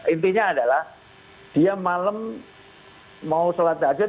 intinya adalah dia malam mau sholat tahajud